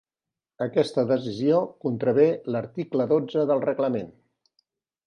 Aquesta decisió contravé a l'article dotze del reglament.